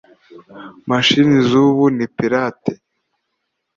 Mashini zubu ni pilate